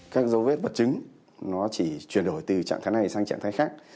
các dấu vết vật chứng nó chỉ chuyển đổi từ trạng thái này sang trạng thái khác